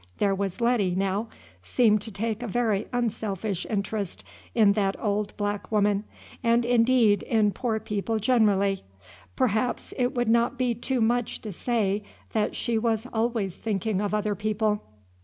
There was Letty, now, seemed to take a very unselfish interest in that old black woman, and indeed in poor people generally; perhaps it would not be too much to say that she was always thinking of other people.